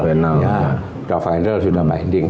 sudah final sudah binding